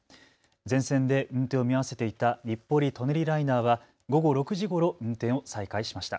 全線で運転を見合わせていた日暮里・舎人ライナーは午後６時ごろ運転を再開しました。